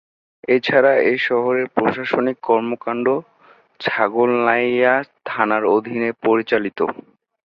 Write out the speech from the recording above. এছাড়া এ শহরের প্রশাসনিক কর্মকাণ্ড ছাগলনাইয়া থানার অধীনে পরিচালিত।